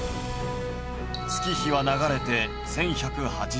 月日は流れて１１８０年。